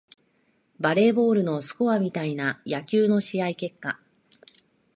バレーボールのスコアみたいな野球の試合結果